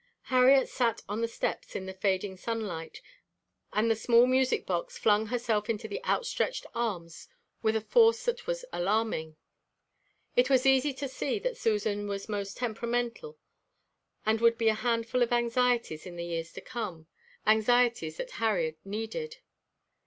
Harriet sat on the steps in the fading sunlight and the small music box flung herself into the outstretched arms with a force that was alarming. It was easy to see that Susan was most temperamental and would be a handful of anxieties in the years to come, anxieties that Harriet needed.